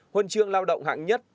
huân trường lao động hạng nhất hai